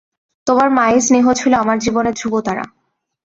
তোমার মায়ের স্নেহ ছিল আমার জীবনের ধ্রুবতারা।